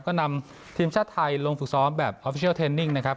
ก็นำทีมชาติไทยลงฝึกซ้อมแบบออฟฟิเชียลเทนนิ่งนะครับ